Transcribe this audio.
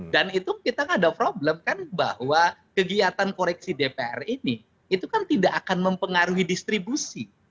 dan itu kita ada problem kan bahwa kegiatan koreksi dpr ini itu kan tidak akan mempengaruhi distribusi